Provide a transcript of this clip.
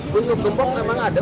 bunga bunga memang ada